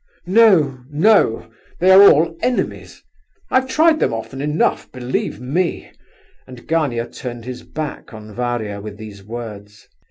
"No, no! they are all enemies! I've tried them often enough, believe me," and Gania turned his back on Varia with these words.